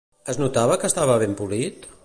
Es notava que estava ben polit?